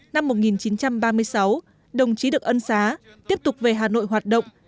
năm một nghìn chín trăm ba mươi sáu đồng chí được ân xá tiếp tục về hà nội hoạt động